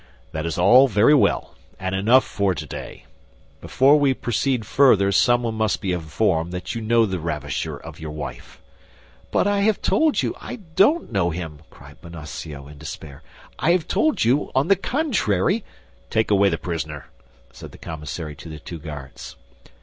"That is all very well, and enough for today; before we proceed further, someone must be informed that you know the ravisher of your wife." "But I have not told you that I know him!" cried Bonacieux, in despair. "I told you, on the contrary—" "Take away the prisoner," said the commissary to the two guards.